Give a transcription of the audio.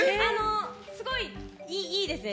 すごい、いいですね。